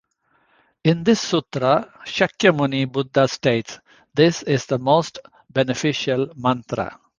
In this sutra, Shakyamuni Buddha states, This is the most beneficial mantra.